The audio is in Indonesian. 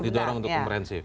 didorong untuk komprehensif